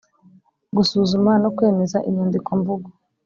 Gusuzuma no kwemeza Inyandikomvugo